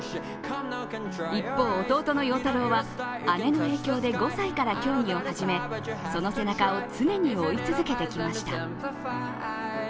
一方、弟の陽太郎は姉の影響で５歳から競技を始めその背中を常に追い続けてきました。